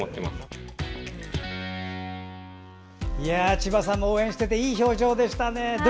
千葉さんも応援してていい表情でしたね。